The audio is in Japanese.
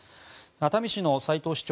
熱海市の齊藤市長